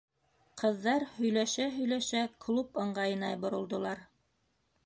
Ҡыҙҙар һөйләшә-һөйләшә клуб ыңғайына боролдолар.